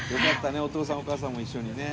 お父さんお母さんも一緒にね」